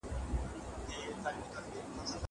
زه انځورونه رسم کړي دي.